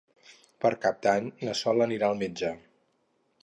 Per Cap d'Any na Sol anirà al metge.